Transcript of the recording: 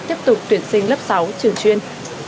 tiếp tục tuyển sinh lớp sáu trường chuyên